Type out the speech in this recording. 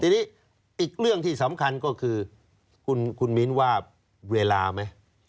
ทีนี้อีกเรื่องที่สำคัญก็คือคุณมิ้นว่าเวลาไหม